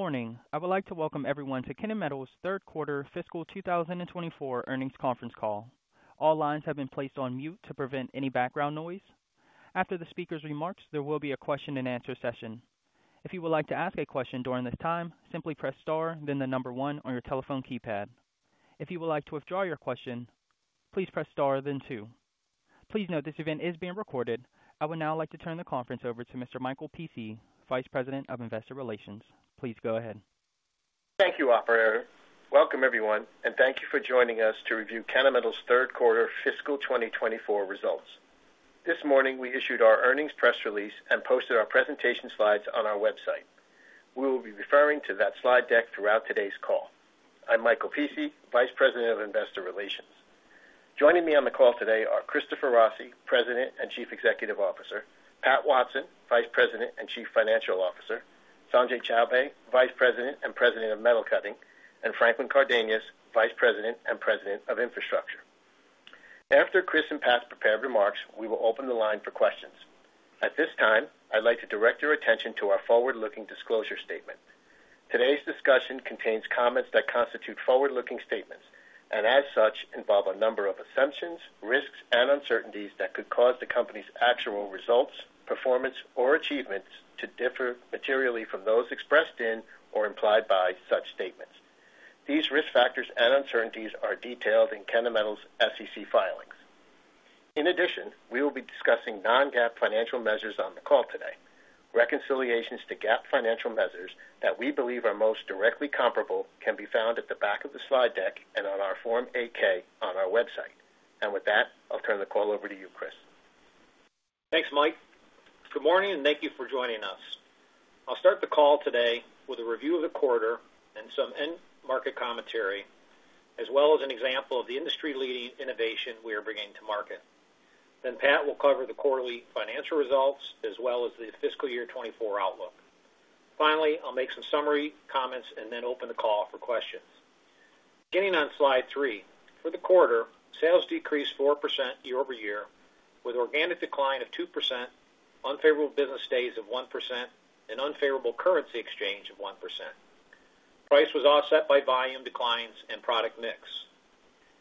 Good morning. I would like to welcome everyone to Kennametal's third quarter fiscal 2024 earnings conference call. All lines have been placed on mute to prevent any background noise. After the speaker's remarks, there will be a question and answer session. If you would like to ask a question during this time, simply press Star, then the number 1 on your telephone keypad. If you would like to withdraw your question, please press Star, then 2. Please note, this event is being recorded. I would now like to turn the conference over to Mr. Michael Pici, Vice President of Investor Relations. Please go ahead. Thank you, operator. Welcome, everyone, and thank you for joining us to review Kennametal's third quarter fiscal 2024 results. This morning, we issued our earnings press release and posted our presentation slides on our website. We will be referring to that slide deck throughout today's call. I'm Michael Pici, Vice President of Investor Relations. Joining me on the call today are Christopher Rossi, President and Chief Executive Officer, Pat Watson, Vice President and Chief Financial Officer, Sanjay Chowbey, Vice President and President of Metal Cutting, and Franklin Cardenas, Vice President and President of Infrastructure. After Chris and Pat's prepared remarks, we will open the line for questions. At this time, I'd like to direct your attention to our forward-looking disclosure statement. Today's discussion contains comments that constitute forward-looking statements and, as such, involve a number of assumptions, risks, and uncertainties that could cause the company's actual results, performance, or achievements to differ materially from those expressed in or implied by such statements. These risk factors and uncertainties are detailed in Kennametal's SEC filings. In addition, we will be discussing non-GAAP financial measures on the call today. Reconciliations to GAAP financial measures that we believe are most directly comparable can be found at the back of the slide deck and on our Form 8-K on our website. With that, I'll turn the call over to you, Chris. Thanks, Mike. Good morning, and thank you for joining us. I'll start the call today with a review of the quarter and some end market commentary, as well as an example of the industry-leading innovation we are bringing to market. Then Pat will cover the quarterly financial results as well as the fiscal year 2024 outlook. Finally, I'll make some summary comments and then open the call for questions. Beginning on slide 3, for the quarter, sales decreased 4% year-over-year, with organic decline of 2%, unfavorable business days of 1%, and unfavorable currency exchange of 1%. Price was offset by volume declines and product mix.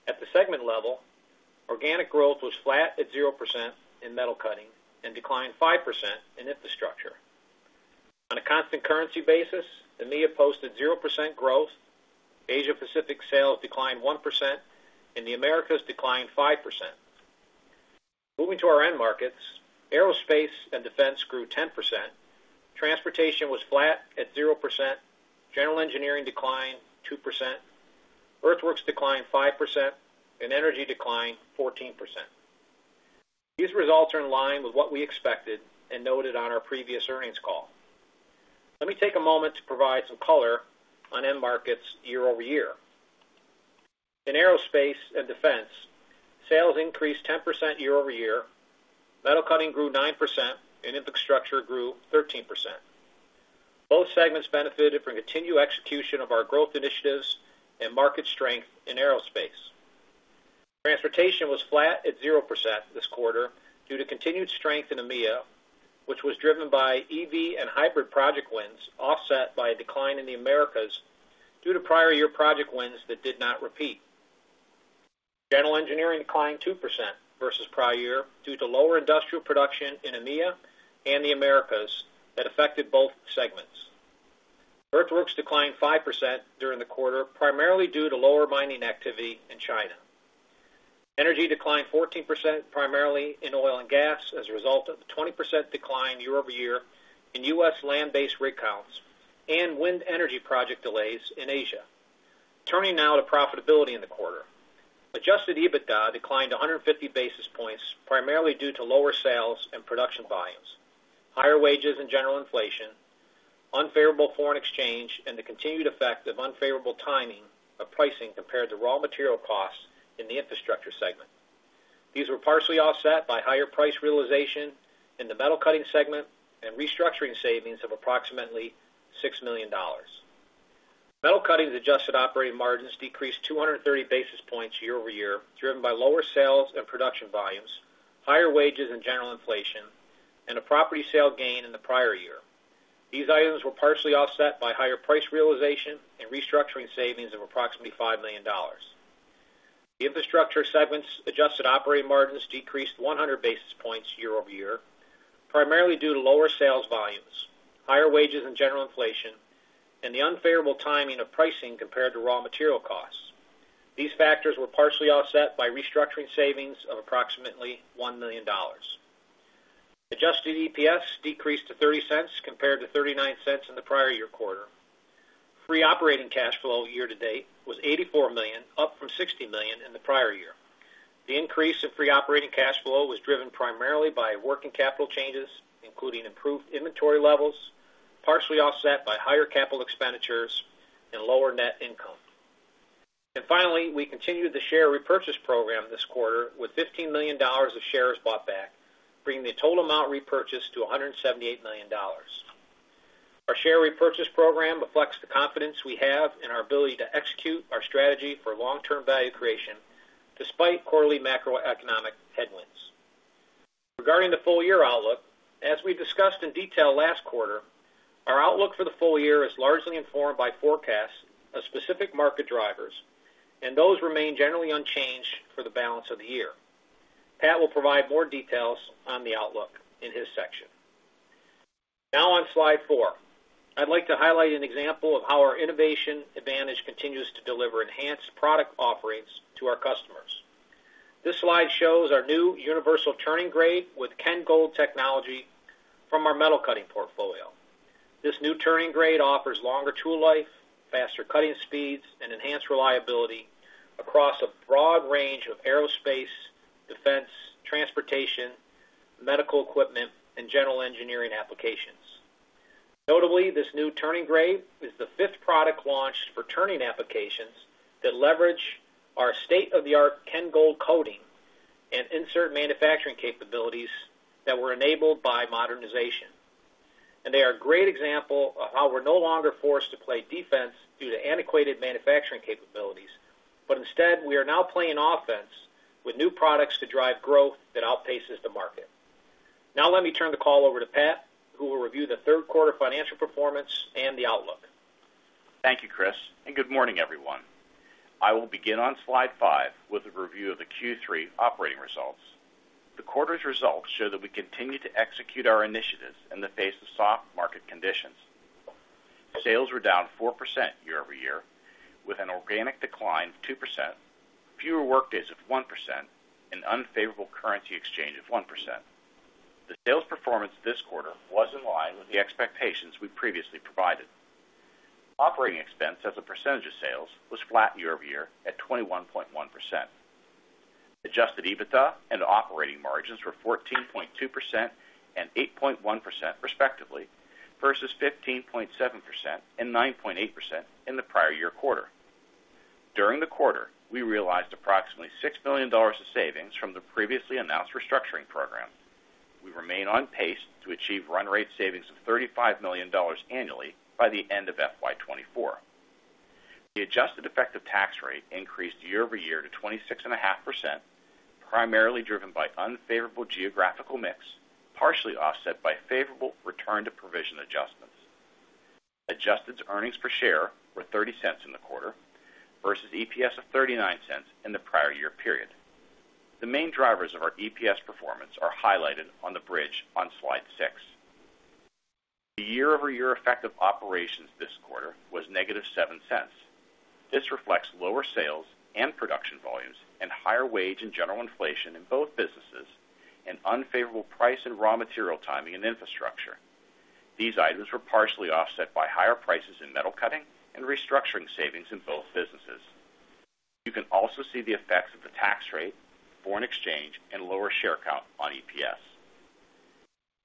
At the segment level, organic growth was flat at 0% in Metal Cutting and declined 5% in Infrastructure. On a constant currency basis, EMEA posted 0% growth, Asia Pacific sales declined 1%, and the Americas declined 5%. Moving to our end markets, aerospace and defense grew 10%, transportation was flat at 0%, general engineering declined 2%, earthworks declined 5%, and energy declined 14%. These results are in line with what we expected and noted on our previous earnings call. Let me take a moment to provide some color on end markets year-over-year. In aerospace and defense, sales increased 10% year-over-year, Metal Cutting grew 9%, and Infrastructure grew 13%. Both segments benefited from continued execution of our growth initiatives and market strength in aerospace. Transportation was flat at 0% this quarter due to continued strength in EMEA, which was driven by EV and hybrid project wins, offset by a decline in the Americas due to prior year project wins that did not repeat. General engineering declined 2% versus prior year due to lower industrial production in EMEA and the Americas that affected both segments. Earthworks declined 5% during the quarter, primarily due to lower mining activity in China. Energy declined 14%, primarily in oil and gas, as a result of the 20% decline year-over-year in US land-based rig counts and wind energy project delays in Asia. Turning now to profitability in the quarter. Adjusted EBITDA declined 150 basis points, primarily due to lower sales and production volumes, higher wages and general inflation, unfavorable foreign exchange, and the continued effect of unfavorable timing of pricing compared to raw material costs in the Infrastructure segment. These were partially offset by higher price realization in the Metal Cutting segment and restructuring savings of approximately $6 million. Metal Cutting's adjusted operating margins decreased 230 basis points year-over-year, driven by lower sales and production volumes, higher wages and general inflation, and a property sale gain in the prior year. These items were partially offset by higher price realization and restructuring savings of approximately $5 million. The Infrastructure segment's adjusted operating margins decreased 100 basis points year-over-year, primarily due to lower sales volumes, higher wages and general inflation, and the unfavorable timing of pricing compared to raw material costs. These factors were partially offset by restructuring savings of approximately $1 million. Adjusted EPS decreased to $0.30, compared to $0.39 in the prior-year quarter. Free operating cash flow year to date was $84 million, up from $60 million in the prior year. The increase in free operating cash flow was driven primarily by working capital changes, including improved inventory levels, partially offset by higher capital expenditures and lower net income. And finally, we continued the share repurchase program this quarter with $15 million of shares bought back, bringing the total amount repurchased to $178 million. Our share repurchase program reflects the confidence we have in our ability to execute our strategy for long-term value creation despite quarterly macroeconomic conditions. Regarding the full year outlook, as we discussed in detail last quarter, our outlook for the full year is largely informed by forecasts of specific market drivers, and those remain generally unchanged for the balance of the year. Pat will provide more details on the outlook in his section. Now, on slide 4, I'd like to highlight an example of how our innovation advantage continues to deliver enhanced product offerings to our customers. This slide shows our new Universal turning grade with KenGold technology from our Metal Cutting portfolio. This new turning grade offers longer tool life, faster cutting speeds, and enhanced reliability across a broad range of aerospace, defense, transportation, medical equipment, and general engineering applications. Notably, this new turning grade is the fifth product launched for turning applications that leverage our state-of-the-art KenGold coating and insert manufacturing capabilities that were enabled by modernization. They are a great example of how we're no longer forced to play defense due to antiquated manufacturing capabilities. But instead, we are now playing offense with new products to drive growth that outpaces the market. Now let me turn the call over to Pat, who will review the third quarter financial performance and the outlook. Thank you, Chris, and good morning, everyone. I will begin on slide 5 with a review of the Q3 operating results. The quarter's results show that we continue to execute our initiatives in the face of soft market conditions. Sales were down 4% year-over-year, with an organic decline of 2%, fewer workdays of 1%, and unfavorable currency exchange of 1%. The sales performance this quarter was in line with the expectations we previously provided. Operating expense as a percentage of sales was flat year-over-year at 21.1%. Adjusted EBITDA and operating margins were 14.2% and 8.1%, respectively, versus 15.7% and 9.8% in the prior year quarter. During the quarter, we realized approximately $6 million of savings from the previously announced restructuring program. We remain on pace to achieve run rate savings of $35 million annually by the end of FY 2024. The adjusted effective tax rate increased year-over-year to 26.5%, primarily driven by unfavorable geographical mix, partially offset by favorable return to provision adjustments. Adjusted earnings per share were $0.30 in the quarter versus EPS of $0.39 in the prior year period. The main drivers of our EPS performance are highlighted on the bridge on slide 6. The year-over-year effect of operations this quarter was -$0.07. This reflects lower sales and production volumes and higher wage and general inflation in both businesses, and unfavorable price and raw material timing and Infrastructure. These items were partially offset by higher prices in Metal Cutting and restructuring savings in both businesses. You can also see the effects of the tax rate, foreign exchange, and lower share count on EPS.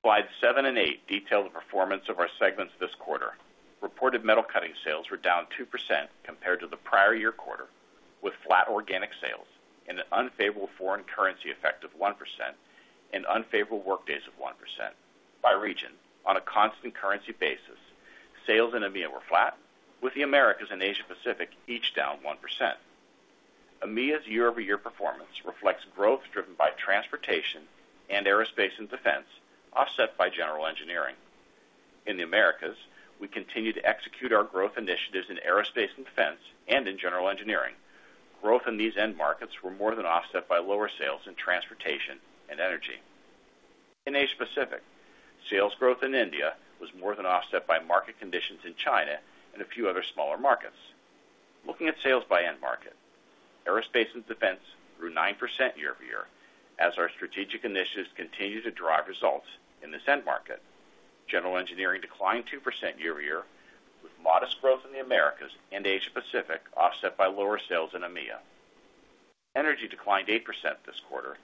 Slides 7 and 8 detail the performance of our segments this quarter. Reported Metal Cutting sales were down 2% compared to the prior year quarter, with flat organic sales and an unfavorable foreign currency effect of 1% and unfavorable workdays of 1%. By region, on a constant currency basis, sales in EMEA were flat, with the Americas and Asia Pacific each down 1%. EMEA's year-over-year performance reflects growth driven by transportation and aerospace and defense, offset by general engineering. In the Americas, we continue to execute our growth initiatives in aerospace and defense and in general engineering. Growth in these end markets were more than offset by lower sales in transportation and energy. In Asia Pacific, sales growth in India was more than offset by market conditions in China and a few other smaller markets. Looking at sales by end market, aerospace and defense grew 9% year-over-year as our strategic initiatives continue to drive results in this end market. General engineering declined 2% year-over-year, with modest growth in the Americas and Asia Pacific, offset by lower sales in EMEA. Energy declined 8% this quarter,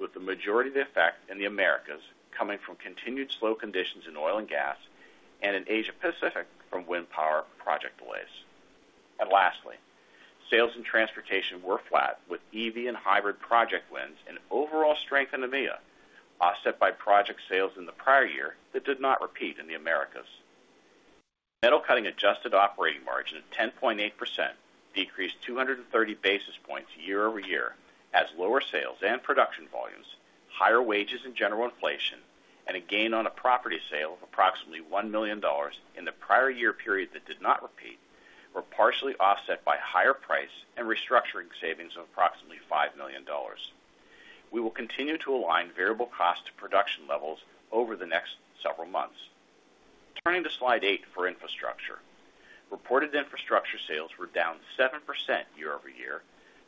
with the majority of the effect in the Americas coming from continued slow conditions in oil and gas and in Asia Pacific from wind power project delays. Lastly, sales and transportation were flat, with EV and hybrid project wins and overall strength in EMEA, offset by project sales in the prior year that did not repeat in the Americas. Metal Cutting adjusted operating margin of 10.8% decreased 230 basis points year-over-year, as lower sales and production volumes, higher wages and general inflation, and a gain on a property sale of approximately $1 million in the prior year period that did not repeat, were partially offset by higher price and restructuring savings of approximately $5 million. We will continue to align variable cost to production levels over the next several months. Turning to Slide 8 for Infrastructure. Reported Infrastructure sales were down 7% year-over-year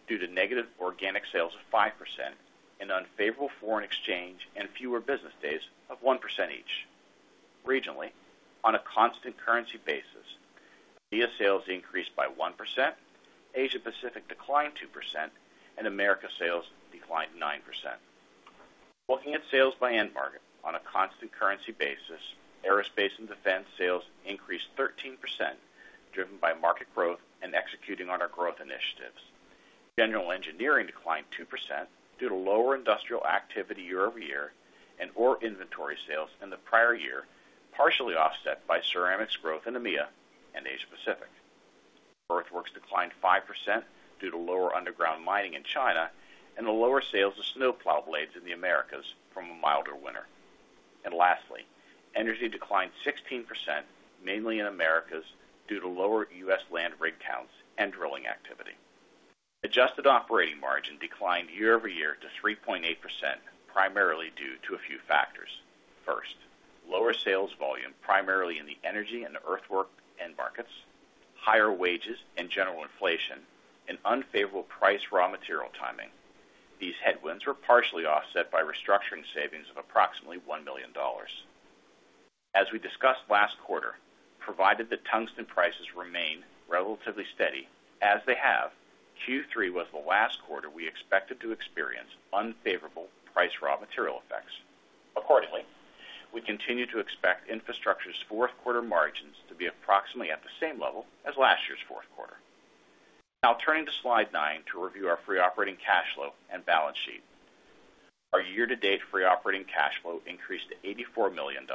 due to negative organic sales of 5% and unfavorable foreign exchange and fewer business days of 1% each. Regionally, on a constant currency basis, EMEA sales increased by 1%, Asia Pacific declined 2%, and Americas sales declined 9%. Looking at sales by end market on a constant currency basis, aerospace and defense sales increased 13%, driven by market growth and executing on our growth initiatives. General engineering declined 2% due to lower industrial activity year-over-year and our inventory sales in the prior year, partially offset by ceramics growth in EMEA and Asia Pacific. Earthworks declined 5% due to lower underground mining in China and the lower sales of snowplow blades in the Americas from a milder winter. And lastly, energy declined 16%, mainly in Americas, due to lower U.S. land rig counts and drilling activity. Adjusted operating margin declined year-over-year to 3.8%, primarily due to a few factors. First, lower sales volume, primarily in the energy and the earthwork end markets, higher wages and general inflation, and unfavorable price raw material timing. These headwinds were partially offset by restructuring savings of approximately $1 million. As we discussed last quarter, provided the tungsten prices remain relatively steady, as they have, Q3 was the last quarter we expected to experience unfavorable price raw material effects. Accordingly, we continue to expect Infrastructure's fourth quarter margins to be approximately at the same level as last year's fourth quarter. Now turning to slide 9 to review our free operating cash flow and balance sheet. Our year-to-date free operating cash flow increased to $84 million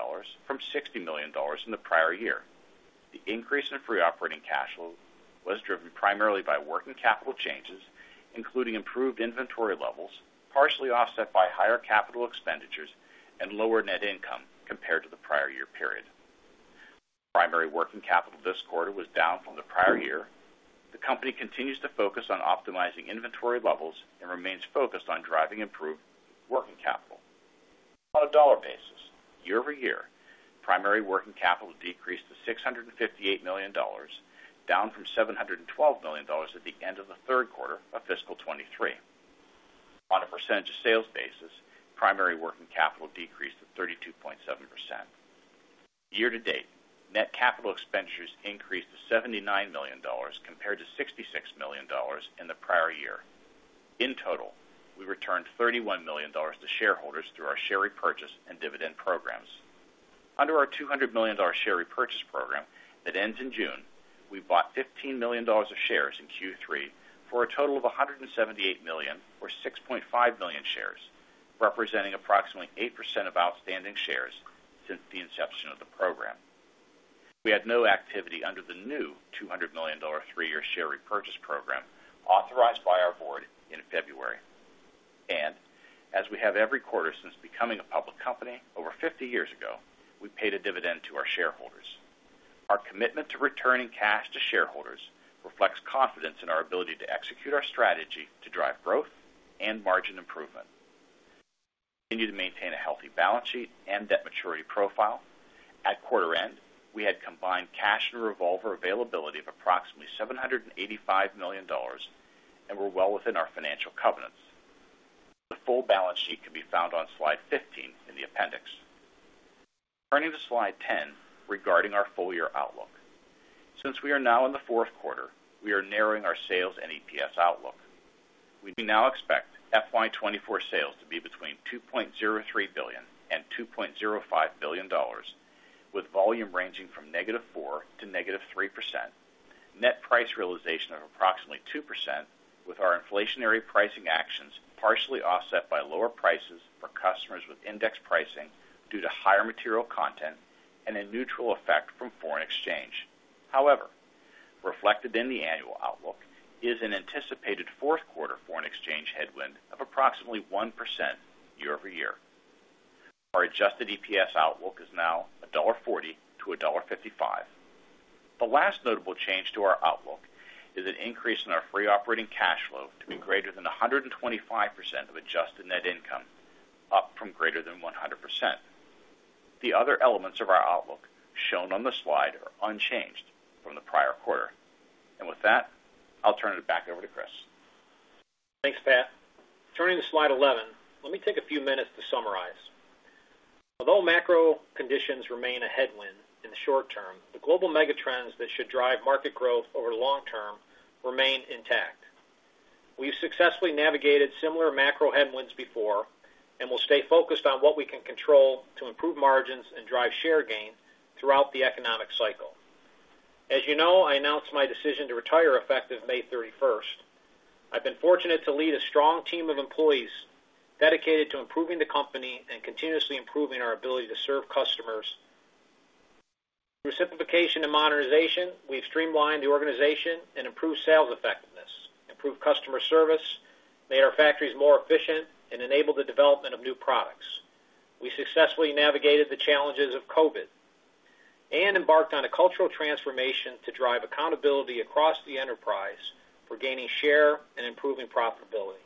from $60 million in the prior year. The increase in free operating cash flow was driven primarily by working capital changes, including improved inventory levels, partially offset by higher capital expenditures and lower net income compared to the prior year period. Primary working capital this quarter was down from the prior year. The company continues to focus on optimizing inventory levels and remains focused on driving improved working capital. On a dollar basis, year-over-year, primary working capital decreased to $658 million, down from $712 million at the end of the third quarter of fiscal 2023. On a percentage of sales basis, primary working capital decreased to 32.7%. Year-to-date, net capital expenditures increased to $79 million, compared to $66 million in the prior year. In total, we returned $31 million to shareholders through our share repurchase and dividend programs. Under our $200 million share repurchase program that ends in June, we bought $15 million of shares in Q3, for a total of $178 million, or 6.5 million shares, representing approximately 8% of outstanding shares since the inception of the program. We had no activity under the new $200 million three-year share repurchase program authorized by our board in February. As we have every quarter since becoming a public company over 50 years ago, we paid a dividend to our shareholders. Our commitment to returning cash to shareholders reflects confidence in our ability to execute our strategy to drive growth and margin improvement. We continue to maintain a healthy balance sheet and debt maturity profile. At quarter end, we had combined cash and revolver availability of approximately $785 million and were well within our financial covenants. The full balance sheet can be found on slide 15 in the appendix. Turning to slide 10, regarding our full-year outlook. Since we are now in the fourth quarter, we are narrowing our sales and EPS outlook. We now expect FY 2024 sales to be between $2.03 billion and $2.05 billion, with volume ranging from -4% to -3%. Net price realization of approximately 2%, with our inflationary pricing actions partially offset by lower prices for customers with index pricing due to higher material content and a neutral effect from foreign exchange. However, reflected in the annual outlook is an anticipated fourth quarter foreign exchange headwind of approximately 1% year-over-year. Our adjusted EPS outlook is now $1.40-$1.55. The last notable change to our outlook is an increase in our free operating cash flow to be greater than 125% of adjusted net income, up from greater than 100%. The other elements of our outlook, shown on the slide, are unchanged from the prior quarter. With that, I'll turn it back over to Chris. Thanks, Pat. Turning to slide 11, let me take a few minutes to summarize. Although macro conditions remain a headwind in the short term, the global mega trends that should drive market growth over the long term remain intact. We've successfully navigated similar macro headwinds before, and we'll stay focused on what we can control to improve margins and drive share gain throughout the economic cycle. As you know, I announced my decision to retire effective May 31st. I've been fortunate to lead a strong team of employees dedicated to improving the company and continuously improving our ability to serve customers. Through simplification and modernization, we've streamlined the organization and improved sales effectiveness, improved customer service, made our factories more efficient, and enabled the development of new products. We successfully navigated the challenges of COVID and embarked on a cultural transformation to drive accountability across the enterprise for gaining share and improving profitability.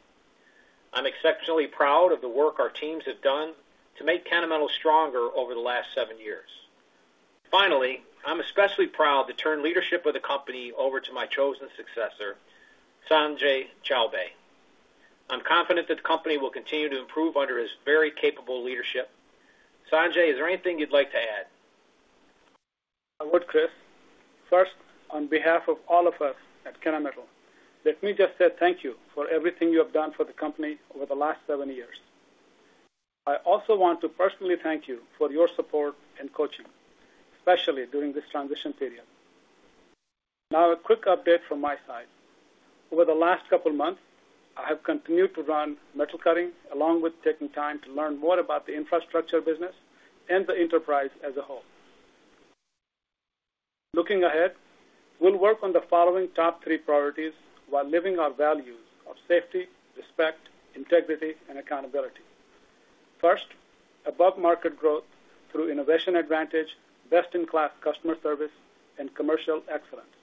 I'm exceptionally proud of the work our teams have done to make Kennametal stronger over the last seven years. Finally, I'm especially proud to turn leadership of the company over to my chosen successor, Sanjay Chowbey. I'm confident that the company will continue to improve under his very capable leadership. Sanjay, is there anything you'd like to add? I would, Chris. First, on behalf of all of us at Kennametal, let me just say thank you for everything you have done for the company over the last seven years. I also want to personally thank you for your support and coaching, especially during this transition period. Now, a quick update from my side. ...Over the last couple of months, I have continued to run Metal Cutting, along with taking time to learn more about the Infrastructure business and the enterprise as a whole. Looking ahead, we'll work on the following top three priorities while living our values of safety, respect, integrity, and accountability. First, above-market growth through innovation advantage, best-in-class customer service, and commercial excellence.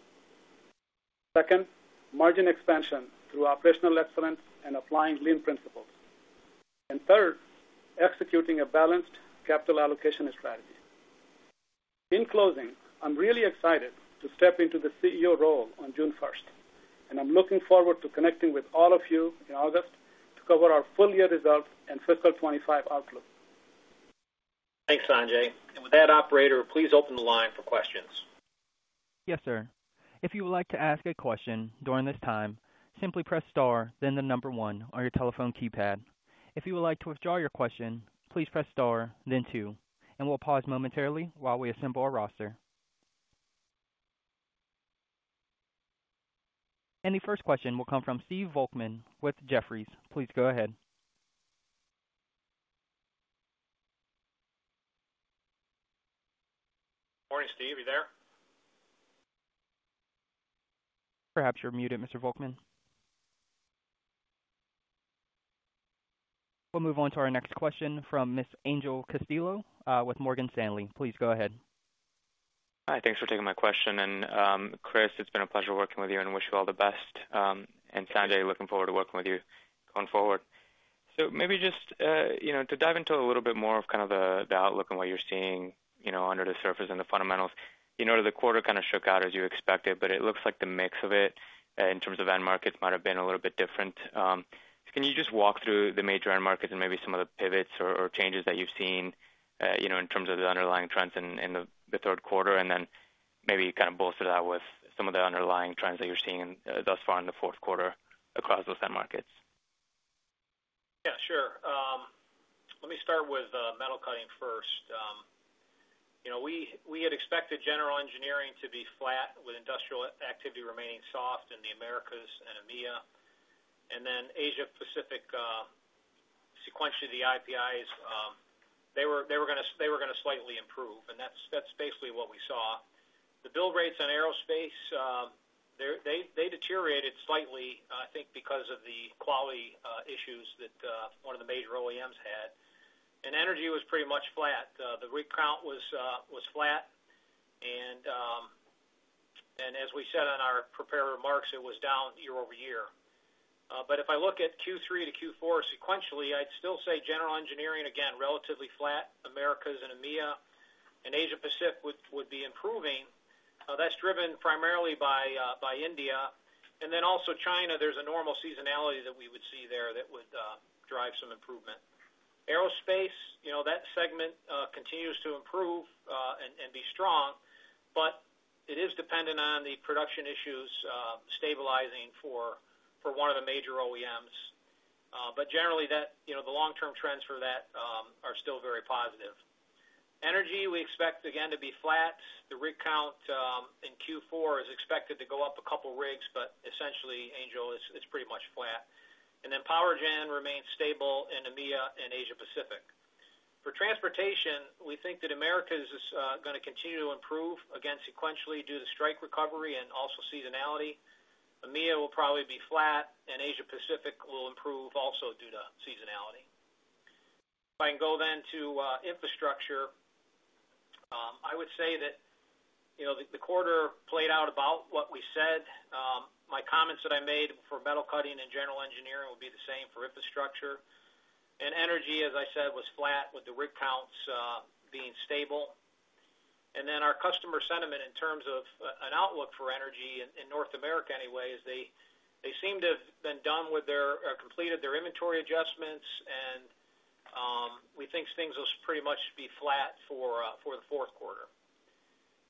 Second, margin expansion through operational excellence and applying lean principles. And third, executing a balanced capital allocation strategy. In closing, I'm really excited to step into the CEO role on June first, and I'm looking forward to connecting with all of you in August to cover our full year results and fiscal 2025 outlook. Thanks, Sanjay. With that, operator, please open the line for questions. Yes, sir. If you would like to ask a question during this time, simply press Star, then the number one on your telephone keypad. If you would like to withdraw your question, please press Star, then two, and we'll pause momentarily while we assemble our roster. The first question will come from Steve Volkmann with Jefferies. Please go ahead. Morning, Steve, are you there? Perhaps you're muted, Mr. Volkmann. We'll move on to our next question from Miss Angel Castillo with Morgan Stanley. Please go ahead. Hi, thanks for taking my question. And, Chris, it's been a pleasure working with you, and I wish you all the best. And Sanjay, looking forward to working with you going forward. So maybe just, you know, to dive into a little bit more of kind of the outlook and what you're seeing, you know, under the surface and the fundamentals. You know, the quarter kind of shook out as you expected, but it looks like the mix of it, in terms of end markets, might have been a little bit different. Can you just walk through the major end markets and maybe some of the pivots or changes that you've seen, you know, in terms of the underlying trends in the third quarter, and then maybe kind of bolster that with some of the underlying trends that you're seeing thus far in the fourth quarter across those end markets? Yeah, sure. Let me start with Metal Cutting first. You know, we had expected general engineering to be flat, with industrial activity remaining soft in the Americas and EMEA. And then Asia Pacific, sequentially, the IPIs they were gonna slightly improve, and that's basically what we saw. The bill rates on aerospace they deteriorated slightly, I think because of the quality issues that one of the major OEMs had. And energy was pretty much flat. The rig count was flat, and as we said on our prepared remarks, it was down year-over-year. But if I look at Q3 to Q4 sequentially, I'd still say general engineering, again, relatively flat, Americas and EMEA, and Asia Pacific would be improving. That's driven primarily by India. And then also China, there's a normal seasonality that we would see there that would drive some improvement. Aerospace, you know, that segment continues to improve and be strong, but it is dependent on the production issues stabilizing for one of the major OEMs. But generally, that, you know, the long-term trends for that are still very positive. Energy, we expect, again, to be flat. The rig count in Q4 is expected to go up a couple rigs, but essentially, Angel, it's pretty much flat. And then power gen remains stable in EMEA and Asia Pacific. For transportation, we think that Americas is gonna continue to improve, again, sequentially, due to strike recovery and also seasonality. EMEA will probably be flat, and Asia Pacific will improve also due to seasonality. If I can go then to Infrastructure, I would say that, you know, the quarter played out about what we said. My comments that I made for Metal Cutting and general engineering will be the same for Infrastructure. And energy, as I said, was flat, with the rig counts being stable. And then our customer sentiment in terms of an outlook for energy in North America anyway is they seem to have been done with their, or completed their inventory adjustments, and we think things will pretty much be flat for the fourth quarter.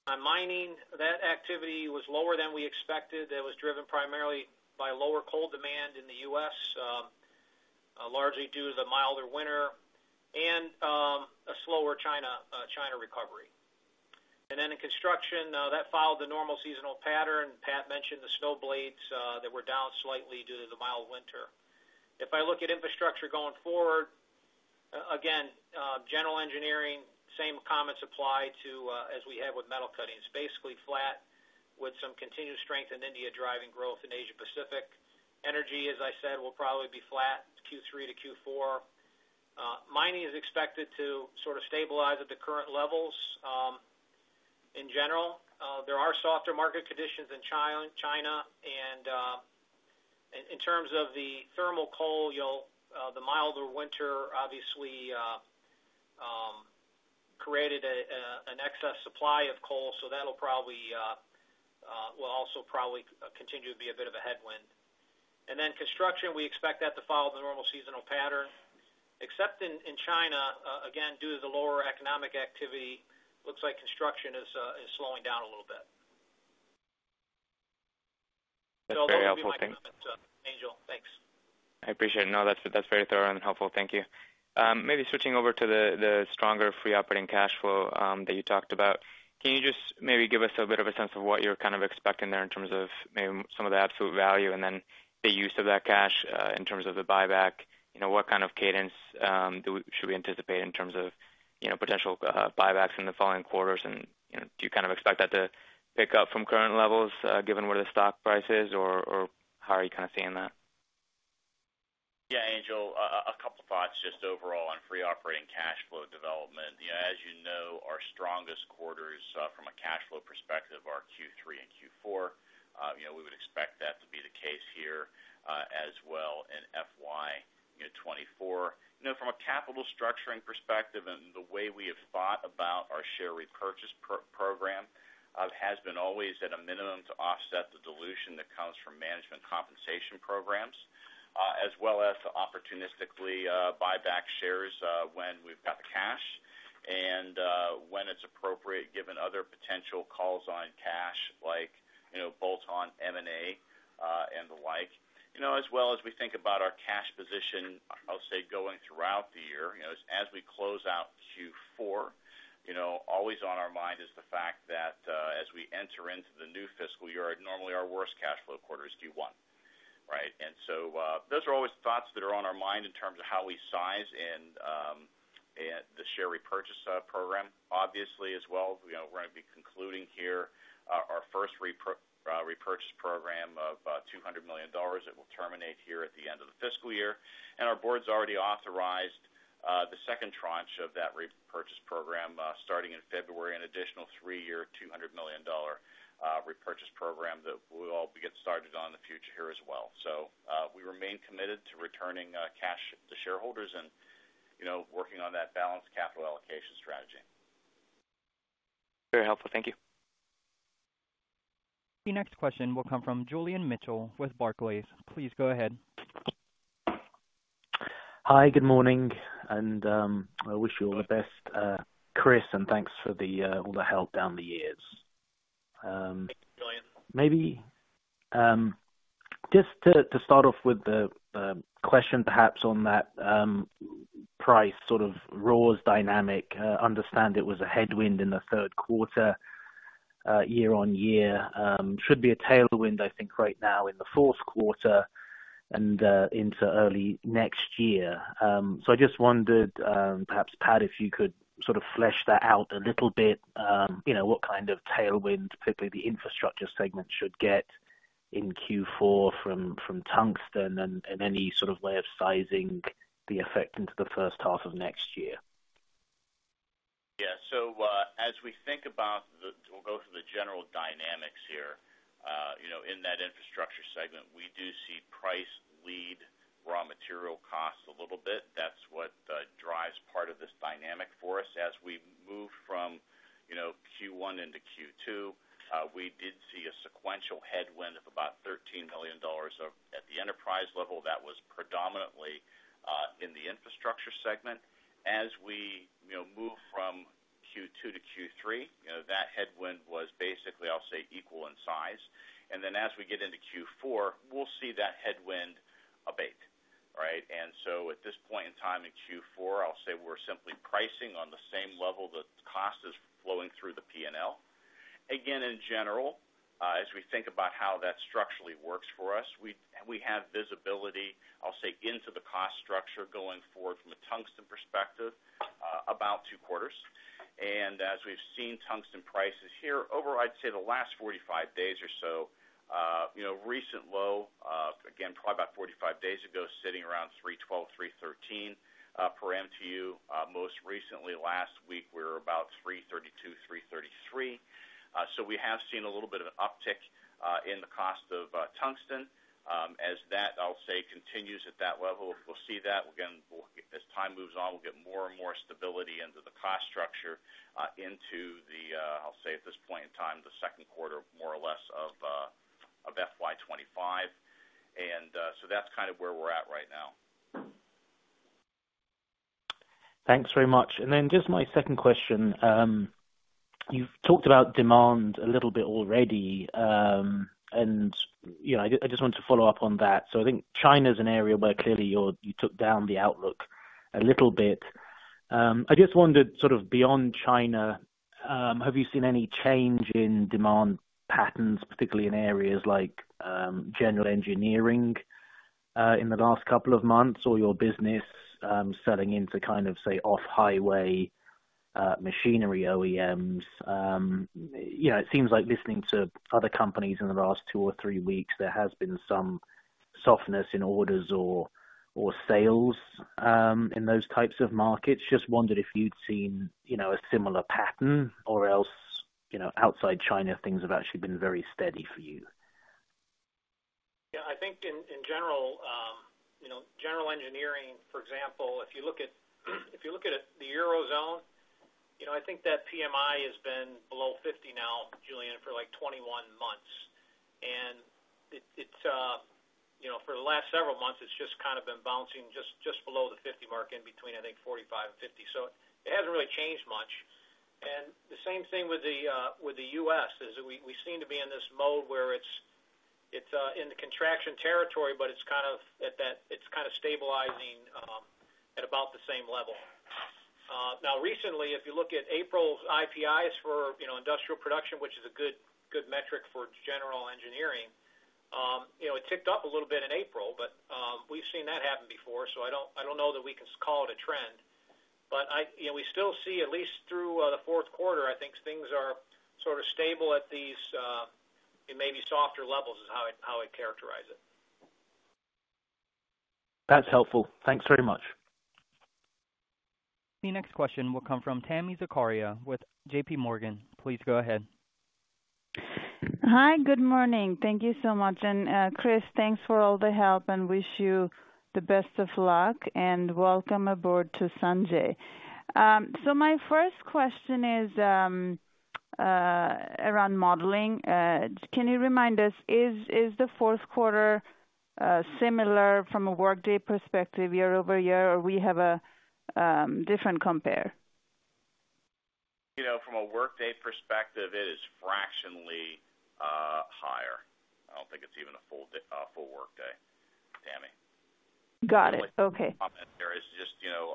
On mining, that activity was lower than we expected. That was driven primarily by lower coal demand in the U.S., largely due to the milder winter and a slower China recovery. And then in construction, that followed the normal seasonal pattern. Pat mentioned the snow blades, that were down slightly due to the mild winter. If I look at Infrastructure going forward, again, general engineering, same comments apply to, as we have with Metal Cutting, basically flat with some continued strength in India, driving growth in Asia Pacific. Energy, as I said, will probably be flat, Q3 to Q4. Mining is expected to sort of stabilize at the current levels, in general. There are softer market conditions in China, and, in terms of the thermal coal, you'll, the milder winter obviously, created an excess supply of coal, so that'll probably, will also probably continue to be a bit of a headwind. And then construction, we expect that to follow the normal seasonal pattern, except in China, again, due to the lower economic activity, looks like construction is slowing down a little bit. That's very helpful, thanks. I appreciate it. No, that's, that's very thorough and helpful. Thank you. Maybe switching over to the, the stronger free operating cash flow, that you talked about. Can you just maybe give us a bit of a sense of what you're kind of expecting there in terms of maybe some of the absolute value and then the use of that cash, in terms of the buyback? You know, what kind of cadence, do we, should we anticipate in terms of, you know, potential, buybacks in the following quarters? And, you know, do you kind of expect that to pick up from current levels, given where the stock price is, or, or how are you kind of seeing that? Yeah, Angel, a couple thoughts just overall on free operating cash flow development. You know, as you know, our strongest quarters, from a cash flow perspective are Q3 and Q4. You know, we would expect that to be the case here, as well in FY 2024. You know, from a capital structuring perspective and the way we have thought about our share repurchase program, has been always at a minimum to offset the dilution that comes from management compensation programs. As well as to opportunistically, buy back shares, when we've got the cash and, when it's appropriate, given other potential calls on cash, like, you know, bolt-on M&A, and the like. You know, as well as we think about our cash position, I'll say, going throughout the year, you know, as we close out Q4, you know, always on our mind is the fact that, as we enter into the new fiscal year, normally our worst cash flow quarter is Q1, right? And so, those are always thoughts that are on our mind in terms of how we size and, and the share repurchase program. Obviously, as well, you know, we're going to be concluding here, our first repurchase program of $200 million. It will terminate here at the end of the fiscal year, and our board's already authorized the second tranche of that repurchase program, starting in February, an additional three-year, $200 million repurchase program that we'll all get started on in the future here as well. So, we remain committed to returning cash to shareholders and, you know, working on that balanced capital allocation strategy. Very helpful. Thank you. The next question will come from Julian Mitchell with Barclays. Please go ahead. Hi, good morning, and I wish you all the best, Chris, and thanks for the all the help down the years. Thank you, Julian. Maybe just to start off with the question perhaps on that price sort of raw's dynamic. Understand it was a headwind in the third quarter year-on-year. Should be a tailwind, I think, right now in the fourth quarter and into early next year. So I just wondered, perhaps, Pat, if you could sort of flesh that out a little bit. You know, what kind of tailwind, particularly the Infrastructure segment, should get in Q4 from tungsten and any sort of way of sizing the effect into the first half of next year. Yeah. So, we'll go through the general dynamics here. You know, in that Infrastructure segment, we do see price lead raw material costs a little bit. That's what drives part of this dynamic for us. As we move from, you know, Q1 into Q2, we did see a sequential headwind of about $13 million at the enterprise level. That was predominantly in the Infrastructure segment. As we, you know, move from Q2 to Q3, you know, that headwind was basically, I'll say, equal in size. And then as we get into Q4, we'll see that headwind abate, right? And so at this point in time, in Q4, I'll say we're simply pricing on the same level that cost is flowing through the PNL. Again, in general, as we think about how that structurally works for us, we, we have visibility, I'll say, into the cost structure going forward from a tungsten perspective, about 2 quarters. And as we've seen tungsten prices here over, I'd say, the last 45 days or so, you know, recent low, again, probably about 45 days ago, sitting around $312-$313 per MTU. Most recently, last week, we were about $332-$333. So we have seen a little bit of an uptick, in the cost of, tungsten. As that, I'll say, continues at that level, we'll see that again, as time moves on, we'll get more and more stability into the cost structure, into the, I'll say at this point in time, the second quarter, more or less, of, of FY 2025. That's kind of where we're at right now. Thanks very much. Then just my second question. You've talked about demand a little bit already, and, you know, I just, I just wanted to follow up on that. So I think China's an area where clearly you took down the outlook a little bit. I just wondered, sort of beyond China, have you seen any change in demand patterns, particularly in areas like general engineering in the last couple of months, or your business selling into kind of, say, off-highway machinery OEMs? You know, it seems like listening to other companies in the last 2 or 3 weeks, there has been some softness in orders or sales in those types of markets. Just wondered if you'd seen, you know, a similar pattern or else, you know, outside China, things have actually been very steady for you. Yeah, I think in, in general, you know, general engineering, for example, if you look at, if you look at it, the Eurozone, you know, I think that PMI has been below 50 now, Julian, for like 21 months. And it, it's, you know, for the last several months, it's just kind of been bouncing just, just below the 50 mark, in between, I think, 45 and 50. So it hasn't really changed much. The same thing with the US is we seem to be in this mode where it's in the contraction territory, but it's kind of at that - it's kind of stabilizing at about the same level. Now, recently, if you look at April's IPIs for industrial production, which is a good, good metric for general engineering, you know, it ticked up a little bit in April, but we've seen that happen before, so I don't, I don't know that we can call it a trend. But I - you know, we still see, at least through the fourth quarter, I think things are sort of stable at these, it may be softer levels, is how I, how I'd characterize it. That's helpful. Thanks very much. The next question will come from Tami Zakaria with J.P. Morgan. Please go ahead. Hi, good morning. Thank you so much. Chris, thanks for all the help, and wish you the best of luck, and welcome aboard to Sanjay. So my first question is around modeling. Can you remind us, is the fourth quarter similar from a workday perspective year-over-year, or we have a different compare? You know, from a workday perspective, it is fractionally higher. I don't think it's even a full day - a full workday, Tami. Got it. Okay. There is just, you know,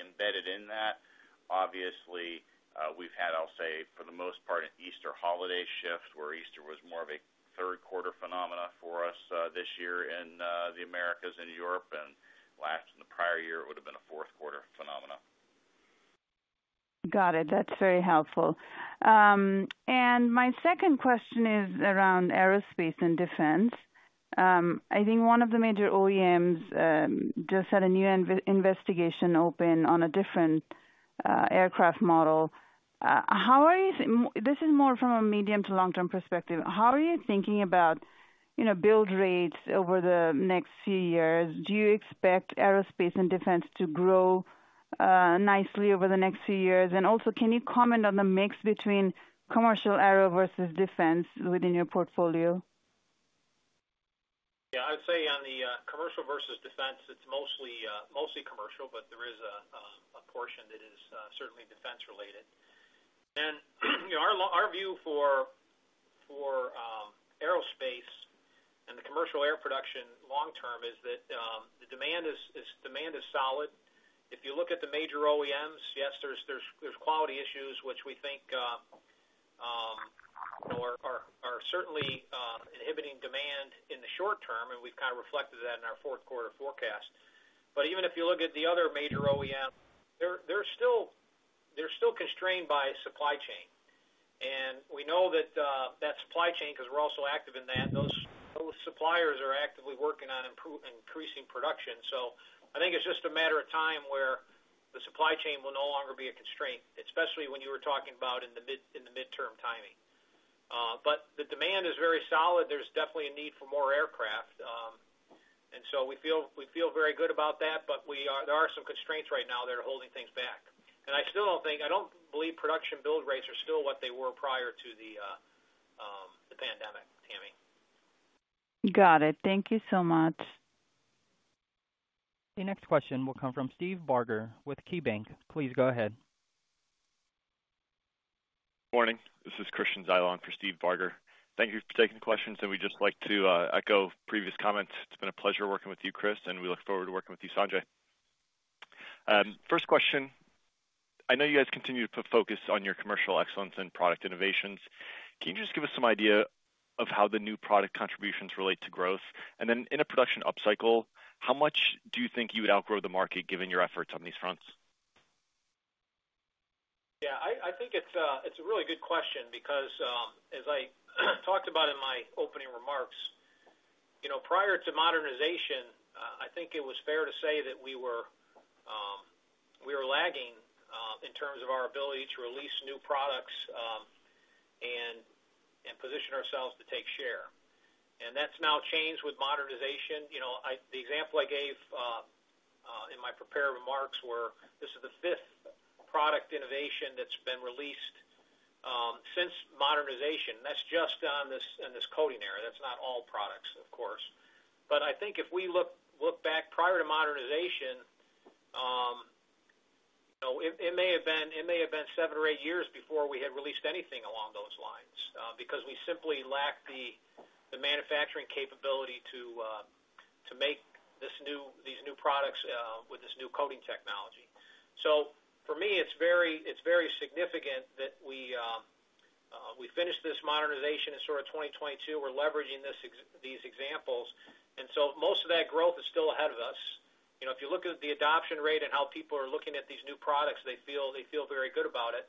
embedded in that, obviously, we've had, I'll say, for the most part, an Easter holiday shift, where Easter was more of a third quarter phenomena for us, this year in, the Americas and Europe, and last, in the prior year, it would've been a fourth quarter phenomena. Got it. That's very helpful. And my second question is around aerospace and defense. I think one of the major OEMs just had a new investigation open on a different aircraft model. This is more from a medium to long-term perspective. How are you thinking about, you know, build rates over the next few years? Do you expect aerospace and defense to grow nicely over the next few years? And also, can you comment on the mix between commercial aero versus defense within your portfolio? Yeah, I would say on the commercial versus defense, it's mostly commercial, but there is a portion that is certainly defense related. And, you know, our view for aerospace and the commercial air production long term is that the demand is solid. If you look at the major OEMs, yes, there's quality issues which we think are certainly inhibiting demand in the short term, and we've kind of reflected that in our fourth quarter forecast. But even if you look at the other major OEM, they're still constrained by supply chain. And we know that supply chain, 'cause we're also active in that, those suppliers are actively working on increasing production. So I think it's just a matter of time where the supply chain will no longer be a constraint, especially when you were talking about in the mid, in the midterm timing. But the demand is very solid. There's definitely a need for more aircraft. And so we feel, we feel very good about that, but we are- there are some constraints right now that are holding things back. And I still don't think, I don't believe production build rates are still what they were prior to the, the pandemic, Tami. Got it. Thank you so much. The next question will come from Steve Barger with KeyBanc. Please go ahead. Morning. This is Christian Zyla for Steve Barger. Thank you for taking the questions, and we'd just like to echo previous comments. It's been a pleasure working with you, Chris, and we look forward to working with you, Sanjay. First question, I know you guys continue to put focus on your commercial excellence and product innovations. Can you just give us some idea of how the new product contributions relate to growth? And then in a production upcycle, how much do you think you would outgrow the market, given your efforts on these fronts? Yeah, I think it's a really good question because, as I talked about in my opening remarks, you know, prior to modernization, I think it was fair to say that we were lagging in terms of our ability to release new products and position ourselves to take share. And that's now changed with modernization. You know, the example I gave in my prepared remarks. This is the fifth product innovation that's been released since modernization. That's just in this coating area. That's not all products, of course. But I think if we look back prior to modernization, you know, it may have been seven or eight years before we had released anything along those lines, because we simply lacked the manufacturing capability to make these new products with this new coating technology. So for me, it's very significant that we finished this modernization in sort of 2022. We're leveraging these examples, and so most of that growth is still ahead of us. You know, if you look at the adoption rate and how people are looking at these new products, they feel very good about it.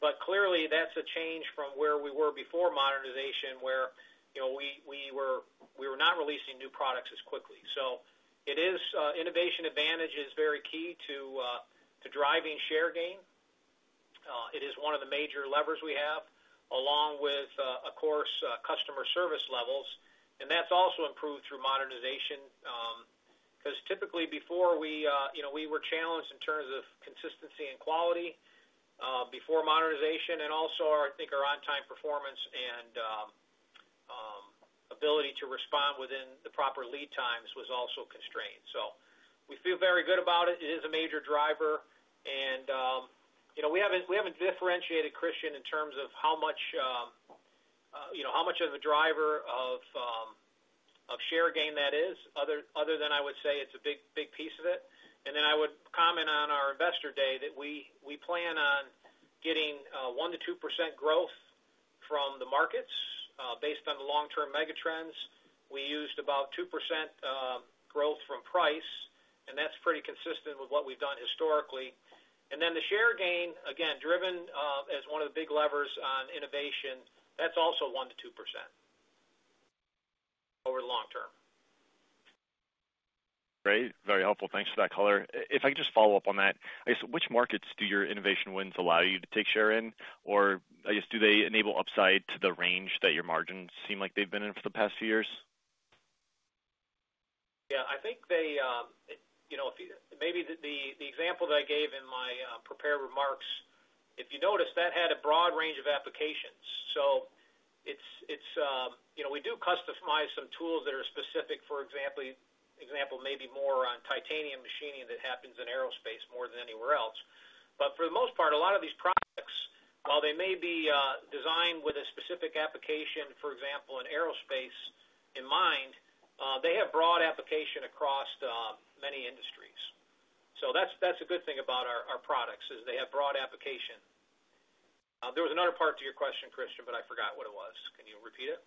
But clearly, that's a change from where we were before modernization, where, you know, we were not releasing new products as quickly. So it is, innovation advantage is very key to, to driving share gain. It is one of the major levers we have, along with, of course, customer service levels, and that's also improved through modernization. 'Cause typically before we, you know, we were challenged in terms of consistency and quality, before modernization, and also our, I think our on-time performance and lead times was also constrained. So we feel very good about it. It is a major driver, and, you know, we haven't, we haven't differentiated, Christian, in terms of how much, you know, how much of a driver of, of share gain that is, other, other than I would say it's a big, big piece of it. And then I would comment on our Investor Day that we plan on getting 1%-2% growth from the markets based on the long-term mega trends. We used about 2% growth from price, and that's pretty consistent with what we've done historically. And then the share gain, again, driven as one of the big levers on innovation, that's also 1%-2% over the long-term Great, very helpful. Thanks for that color. If I could just follow up on that, I guess, which markets do your innovation wins allow you to take share in? Or I guess, do they enable upside to the range that your margins seem like they've been in for the past few years? Yeah, I think they, you know, if you maybe the example that I gave in my prepared remarks, if you noticed, that had a broad range of applications. So it's... You know, we do customize some tools that are specific, for example, maybe more on titanium machining that happens in aerospace more than anywhere else. But for the most part, a lot of these products, while they may be designed with a specific application, for example, in aerospace in mind, they have broad application across many industries. So that's a good thing about our products, is they have broad application. There was another part to your question, Christian, but I forgot what it was. Can you repeat it?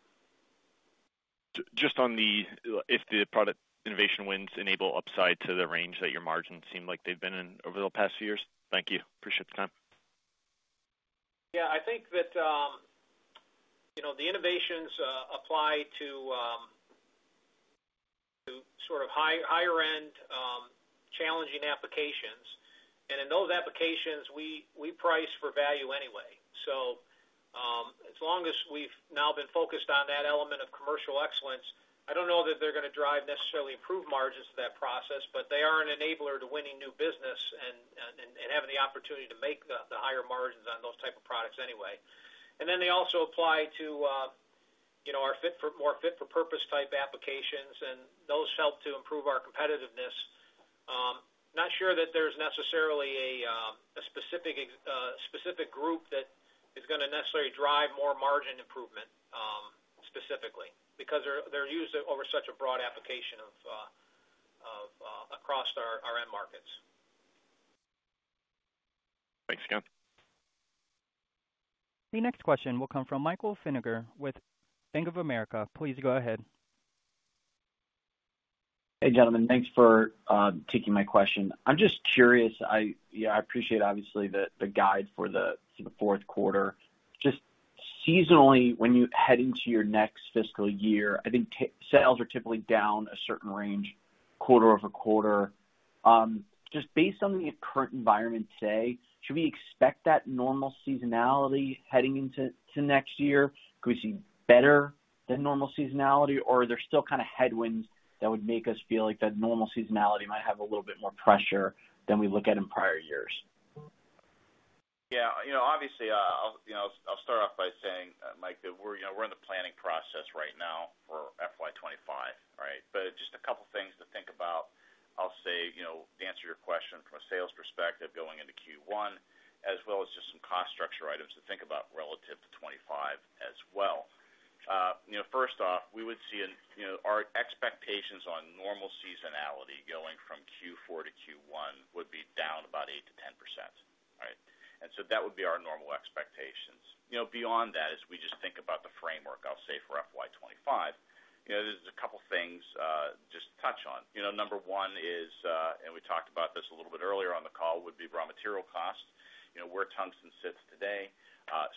Just on the, if the product innovation wins enable upside to the range that your margins seem like they've been in over the past few years. Thank you. Appreciate the time. Yeah, I think that, you know, the innovations apply to sort of higher-end challenging applications. And in those applications, we price for value anyway. So, as long as we've now been focused on that element of commercial excellence, I don't know that they're gonna drive necessarily improved margins to that process, but they are an enabler to winning new business and having the opportunity to make the higher margins on those type of products anyway. And then they also apply to, you know, our more fit-for-purpose type applications, and those help to improve our competitiveness. Not sure that there's necessarily a specific group that is gonna necessarily drive more margin improvement, specifically, because they're used over such a broad application of across our end markets. Thanks, Scott. The next question will come from Michael Feniger with Bank of America. Please go ahead. Hey, gentlemen. Thanks for taking my question. I'm just curious. Yeah, I appreciate, obviously, the guide for the fourth quarter. Just seasonally, when you head into your next fiscal year, I think that sales are typically down a certain range, quarter over quarter. Just based on the current environment today, should we expect that normal seasonality heading into next year? Could we see better than normal seasonality, or are there still kind of headwinds that would make us feel like that normal seasonality might have a little bit more pressure than we look at in prior years? Yeah, you know, obviously, I'll, you know, I'll start off by saying, Mike, that we're, you know, we're in the planning process right now for FY 2025, right? But just a couple of things to think about. I'll say, you know, to answer your question from a sales perspective, going into Q1, as well as just some cost structure items to think about relative to 2025 as well. You know, first off, we would see an, you know, our expectations on normal seasonality going from Q4 to Q1 would be down about 8%-10%, right? And so that would be our normal expectations. You know, beyond that, as we just think about the framework, I'll say for FY 2025, you know, there's a couple things, just to touch on. You know, number one is, and we talked about this a little bit earlier on the call, would be raw material costs. You know, where tungsten sits today,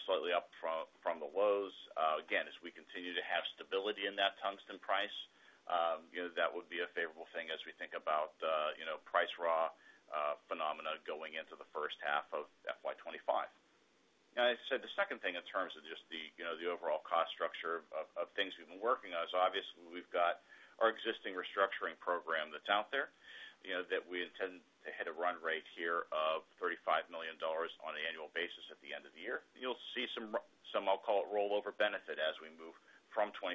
slightly up from the lows. Again, as we continue to have stability in that tungsten price, you know, that would be a favorable thing as we think about, you know, price realization going into the first half of FY 2025. And I said the second thing in terms of just the, you know, the overall cost structure of things we've been working on is, obviously, we've got our existing restructuring program that's out there, you know, that we intend to hit a run rate here of $35 million on an annual basis at the end of the year. You'll see some, I'll call it, rollover benefit as we move from 20-